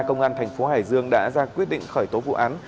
công an tp hải dương đã ra quyết định khởi tố vụ án